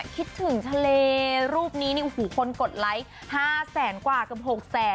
คิดถึงทะเลรูปนี้คนกดไลค์๕แสนกว่ากับ๖แสน